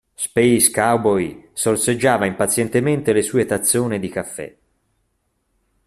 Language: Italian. Space Cowboy sorseggiava impazientemente le sue tazzone di caffè.